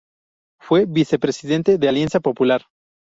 Fue vicepresidente de Alianza Popular.